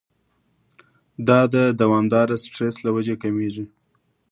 دا د دوامداره سټرېس له وجې کميږي